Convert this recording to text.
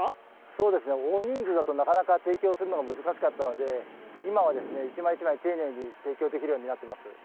そうですね、大人数だと、なかなか提供するのが難しかったので、今は一枚一枚丁寧に提供できるようになってます。